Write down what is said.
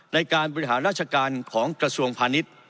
ในการบริหารราชการของกระทรวงพาณิชย์